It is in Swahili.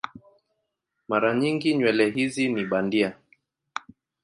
Mara nyingi nywele hizi ni bandia.